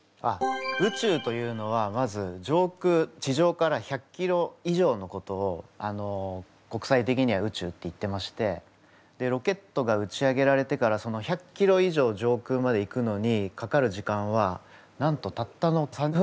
宇宙というのはまず上空地上から１００ｋｍ以上のことを国際的には宇宙っていってましてロケットが打ち上げられてから１００ｋｍ以上上空まで行くのにかかる時間はなんとたったの３分ぐらいなんです。